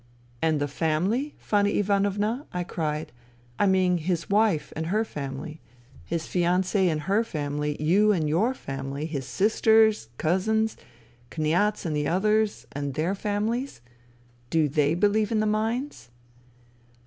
"" And the ' family,' Fanny Ivanovna," I cried, " I mean his wife and her family, his fiancee and her family, you and your family, his sisters and cousins, Kniaz and the others and their families — do they believe in the mines